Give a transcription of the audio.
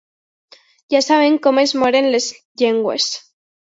Ja sabem com es moren les llengües.